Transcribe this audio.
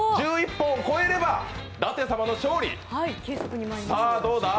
１１本を超えれば舘様の勝利！